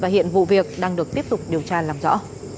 hiện vụ việc đang được tiếp tục điều tra làm rõ